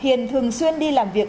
hiền thường xuyên đi làm việc